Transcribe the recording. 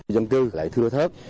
dân cư lại thưa thớt